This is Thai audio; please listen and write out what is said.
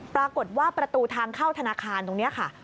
ปรากฏว่าประตูทางเข้าธนาคารตรงนี้ค่ะ